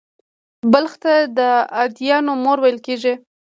بلخ ته «د ادیانو مور» ویل کېږي